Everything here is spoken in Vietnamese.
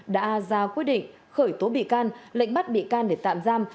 đã ra quyết định khởi tố bị can lệnh bắt bị can để tạm giam